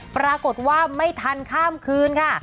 ปรากฏว่าไม่ทันข้ามคืนค่ะ